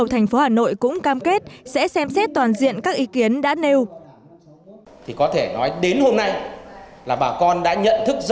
hội cũng cam kết sẽ xem xét toàn diện các ý kiến đã nêu